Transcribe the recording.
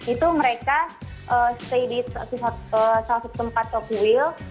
itu mereka stay di salah satu tempat tokuil